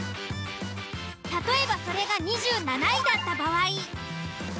例えばそれが２７位だった場合。